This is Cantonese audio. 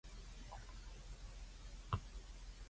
中國城大富豪大都會